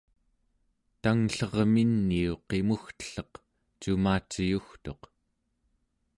tangllerminiu qimugtelleq cumaciyugtuq